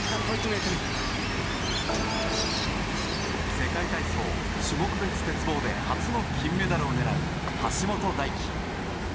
世界体操、種目別鉄棒で初の金メダルを狙う橋本大輝。